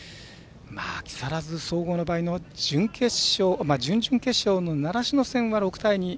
木更津総合の場合準々決勝の習志野戦は６対２。